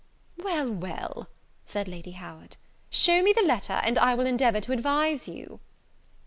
"Well, well," said Lady Howard, "shew me the letter, and I will endeavour to advise you."